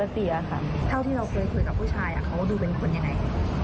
เท่าที่เราเคยคุยกับผู้ชายเขาดูเป็นคนยังไง